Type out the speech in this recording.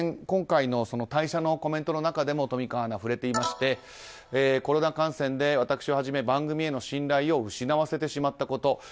今回の退社のコメントの中でも富川アナは触れていましてコロナ感染で、私をはじめ番組への信頼を失わせてしまったこと